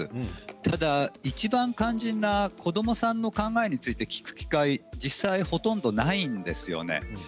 ただ、いちばん肝心な子どもさんの考えについて聞く機会は実際、ほとんどないんですよね。